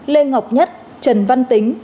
lê ngọc nhất trần văn tính